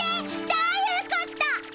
どういうこと。